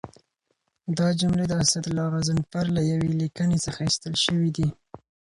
دا جملې د اسدالله غضنفر له یوې لیکنې څخه اخیستل شوي دي.